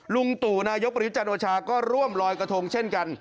ลุงตู่นายกประยุทธ์จันโอชาก็ร่วมลอยกระทงเช่นกัน